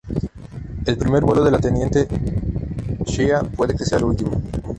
El primer vuelo de la teniente Shea puede que sea el último.